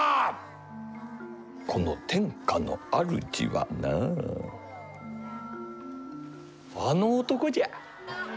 この天下の主はなあの男じゃ。